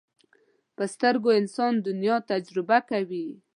په سترګو انسان دنیا تجربه کوي